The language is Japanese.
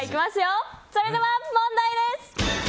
それでは問題です！